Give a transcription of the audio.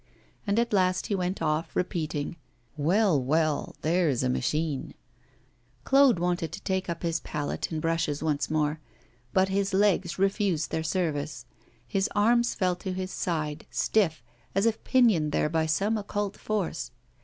And at last he went off, repeating, 'Well, well, there's a machine.' Claude wanted to take up his palette and brushes once more. But his legs refused their service; his arms fell to his side, stiff, as if pinioned there by some occult force.